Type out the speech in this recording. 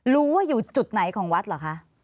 รู้ว่าอยู่จุดไหนของวัดเหรอคะ